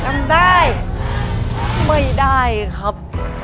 ไม่ได้ครับ